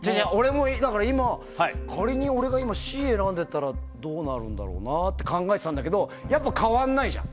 仮に俺が今、Ｃを選んでたらどうなるんだろうなって考えていたんだけど変わらないじゃん。